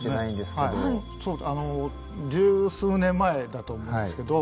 十数年前だと思うんですけど。